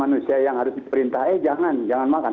nusia yang harus diperintahkan jangan jangan makan